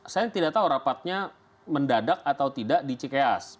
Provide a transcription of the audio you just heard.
saya tidak tahu rapatnya mendadak atau tidak di cikeas